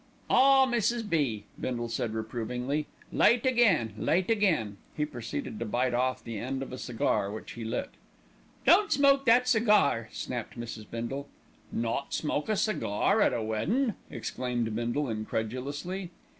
"Ah! Mrs. B.," Bindle said reprovingly, "late again, late again!" He proceeded to bite off the end of a cigar which he lit. "Don't smoke that cigar," snapped Mrs. Bindle. "Not smoke a cigar at a weddin'!" exclaimed Bindle incredulously.